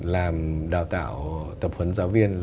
làm đào tạo tập huấn giáo viên